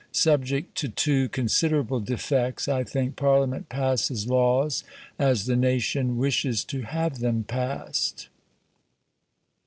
Subject to two considerable defects I think Parliament passes laws as the nation wishes to have them passed.